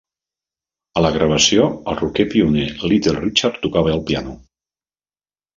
Ala gravació, el rocker pioner Little Richard tocava el piano.